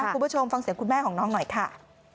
คุณผู้ชมฟังเสียงคุณแม่ของน้องหน่อยค่ะ